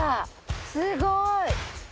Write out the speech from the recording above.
すごい！